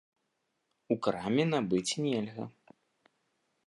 У краме набыць нельга.